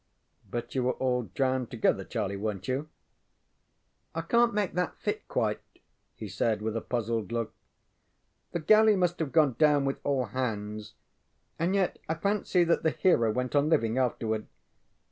ŌĆØ ŌĆ£But you were all drowned together, Charlie, werenŌĆÖt you? ŌĆØ ŌĆ£I canŌĆÖt make that fit quite, ŌĆØ he said with a puzzled look. ŌĆ£The galley must have gone down with all hands and yet I fancy that the hero went on living afterward.